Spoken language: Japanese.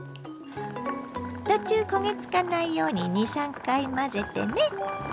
途中焦げつかないように２３回混ぜてね。